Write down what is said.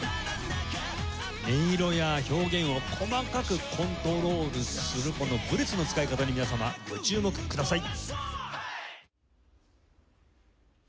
音色や表現を細かくコントロールするこのブレスの使い方に皆様ご注目ください。